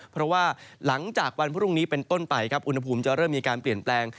เพราะว่าหลังจากวันพรุ่งนี้เป็นต้นไปครับอุณหภูมิจะเริ่มมีการเปลี่ยนแปลง